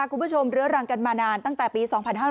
คุณผู้ชมเรื้อรังกันมานานตั้งแต่ปี๒๕๕๙